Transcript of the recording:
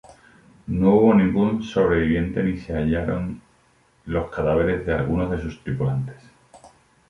No hubo ningún sobreviviente ni se hallaron los cadáveres de algunos de sus tripulantes.